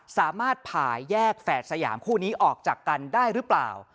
สามารถผ่าแยกแฝดสยามคู่นี้ออกจากกันได้หรือเปล่า